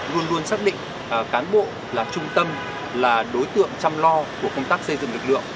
luôn luôn xác định cán bộ là trung tâm là đối tượng chăm lo của công tác xây dựng lực lượng